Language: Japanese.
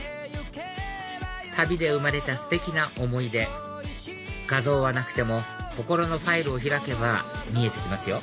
旅で生まれたステキな思い出画像はなくても心のファイルを開けば見えて来ますよ！